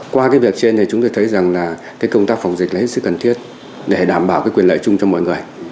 qua việc trên chúng tôi thấy công tác phòng dịch là hết sức cần thiết để đảm bảo quyền lợi chung cho mọi người